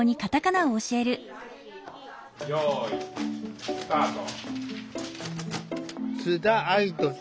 よいスタート。